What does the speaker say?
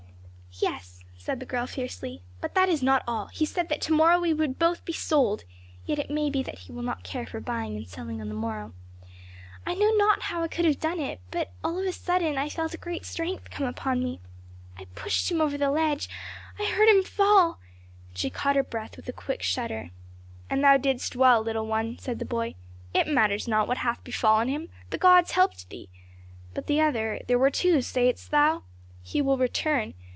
"Yes," said the girl fiercely. "But that is not all, he said that to morrow we should both be sold; yet it may be that he will not care for buying and selling on the morrow. I know not how I could have done it, but of a sudden I felt a great strength come upon me. I pushed him over the ledge I heard him fall " and she caught her breath with a quick shudder. "And thou didst well, little one!" said the boy. "It matters not what hath befallen him, the gods helped thee. But the other there were two, saidst thou? He will return.